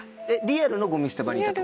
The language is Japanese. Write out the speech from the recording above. リアルのゴミ捨て場にいた？